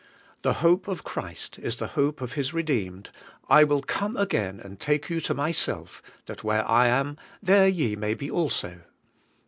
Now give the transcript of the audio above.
The hope of Christ is the hope of His redeemed: 'I will come again and take you to myself, that where I am there ye may be also.